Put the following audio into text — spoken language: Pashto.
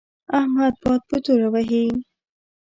احمد باد په توره وهي.